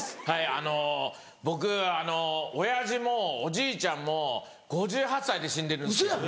はいあの僕あの親父もおじいちゃんも５８歳で死んでるんですよ。